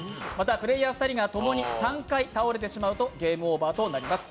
プレイヤー２人がともに３回倒れてしまうとゲームオーバーとなります。